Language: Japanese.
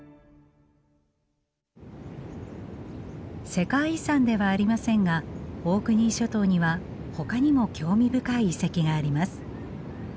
世界遺産ではありませんがオークニー諸島にはほかにも興味深い遺跡があります。